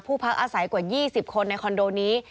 พักอาศัยกว่า๒๐คนในคอนโดนี้